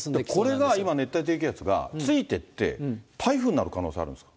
これが熱帯低気圧がついていって台風になる可能性あるんですか？